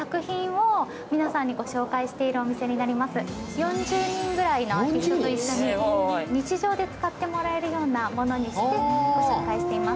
４０人ぐらいのアーティストと一緒に日常で使ってもらえるようなものにしてご紹介しています。